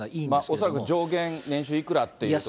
恐らく上限年収いくらというところ。